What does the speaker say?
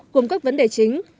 gồm các vấn đề chính